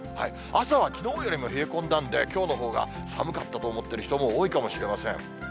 朝はきのうよりも冷え込んだんで、きょうのほうが寒かったと思ってる人も多いかもしれません。